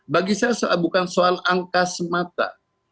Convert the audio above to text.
bagi saya bukan soal angka semata